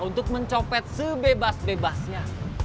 untuk mencopet sebebas bebasnya